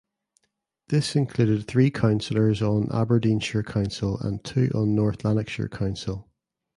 This included three councillors on Aberdeenshire Council and two on North Lanarkshire Council.